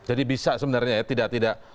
jadi bisa sebenarnya ya tidak tidak